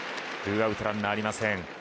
２アウトランナーありません。